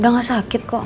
udah gak sakit kok